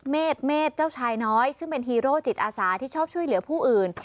เมษเจ้าชายน้อยซึ่งเป็นฮีโร่จิตอาสาที่ชอบช่วยเหลือผู้อื่น